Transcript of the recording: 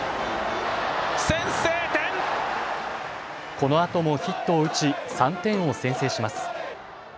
このあともヒットを打ち３点を先制します。